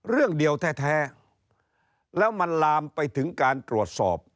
เรื่องเดียวแท้แล้วมันลามไปถึงการตรวจสอบ